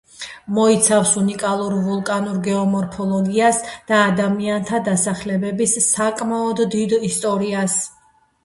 მოიცავს უნიკალურ ვულკანურ გეომორფოლოგიას და ადამიანთა დასახლებების საკმაოდ დიდ ისტორიას.